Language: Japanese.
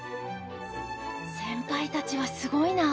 先輩たちはすごいな。